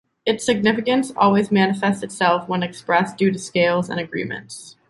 Its significance always manifests itself when expressed due to scales and agreements.